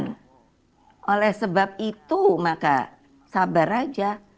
dan oleh sebab itu maka sabar saja